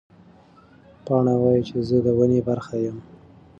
پاڼه وایي چې زه د ونې برخه یم.